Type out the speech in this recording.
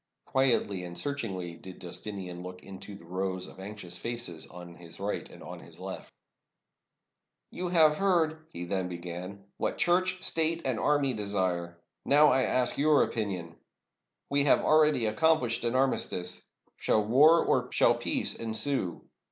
Quietly and searchingly did Justinian look into the rows of anxious faces on his right and on his left, "You have heard," he then began, "what Church, State, and Army desire. I now ask your opinion. We have already accomplished an armistice. Shall war or shall peace ensue?